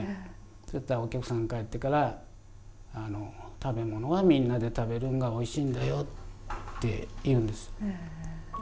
そしたらお客さん帰ってから「食べ物はみんなで食べるんがおいしいんだよ」って言うんです。